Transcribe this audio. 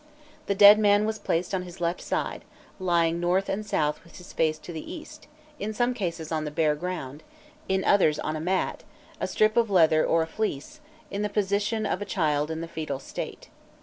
The dead man was placed on his left side, lying north and south with his face to the east, in some cases on the bare ground, in others on a mat, a strip of leather or a fleece, in the position of a child in the foetal state.